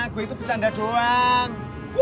gue itu bercanda doang